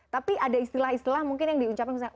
tapi ada istilah istilah mungkin yang di ucapkan misalnya